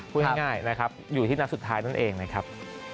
พูดง่ายนะครับอยู่ที่นัดสุดท้ายนั่นเองนะครับ